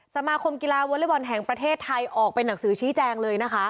สมาคมกีฬาวอเล็กบอลแห่งประเทศไทยออกเป็นหนังสือชี้แจงเลยนะคะ